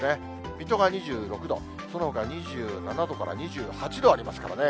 水戸が２６度、そのほか２７度から２８度ありますからね。